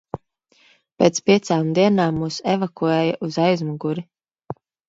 Pēc piecām dienām mūs evakuēja uz aizmuguri.